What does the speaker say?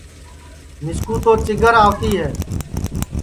مِسکُو تو چیگر آوتی ہے